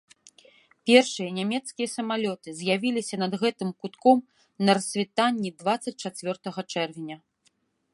Першыя нямецкія самалёты з'явіліся над гэтым кутком на рассвітанні дваццаць чацвёртага чэрвеня.